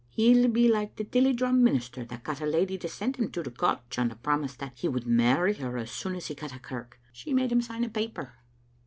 '' He'll be like the Tilliedrum minister that got a lady to send him to the college on the promise that he would marry her as soon as he got a kirk. She made him sign a paper."